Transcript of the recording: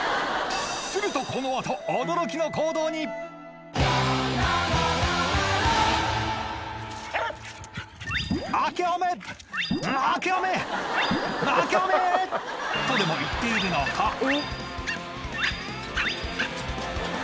するとこのあと驚きの行動に！とでも言っているのか？